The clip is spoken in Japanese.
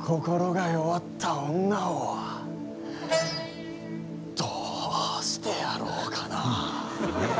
心が弱った女をどうしてやろうかな？